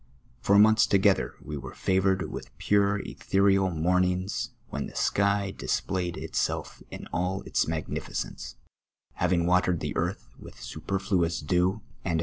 For montlis together we were favoured with pm e ethereal mornings, when the sky dis])layed itself in all its mag nificence, having watered the earth with supei lluous dew j and THE rASTOn's CHAIR.